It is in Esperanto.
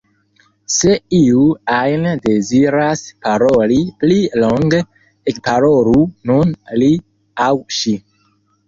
Se iu ajn deziras paroli pli longe, ekparolu nun li aŭ ŝi.